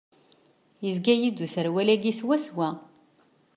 Yezga-yi-d userwal-agi swaswa.